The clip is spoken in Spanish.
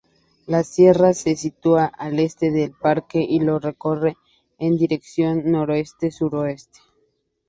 La sierra se sitúa al Este del parque y lo recorre en dirección noroeste-sureste.